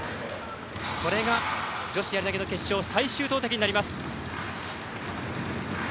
これが女子やり投げの決勝最終投てきになります。